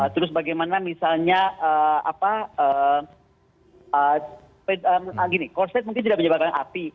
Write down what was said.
terus bagaimana misalnya korset mungkin tidak berjebak dengan api